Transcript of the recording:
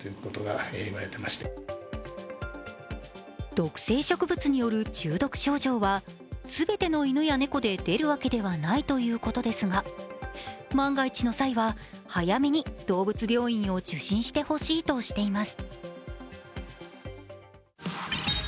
毒性植物による中毒症状は全ての犬や猫で出るわけではないということですが万が一の際は早めに動物病院を受診してほしいとしています。